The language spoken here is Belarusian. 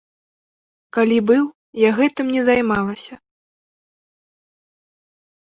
Калі быў, я гэтым не займалася.